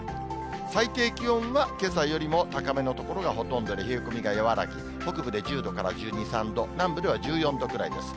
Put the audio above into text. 最低気温はけさよりも高めの所がほとんどで、冷え込みが和らぐ、北部で１０度から１２、３度、南部では１４度ぐらいです。